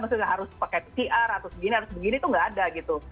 maksudnya harus pakai pcr atau segini harus begini itu nggak ada gitu